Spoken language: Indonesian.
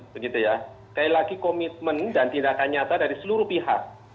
sekali lagi komitmen dan tindakan nyata dari seluruh pihak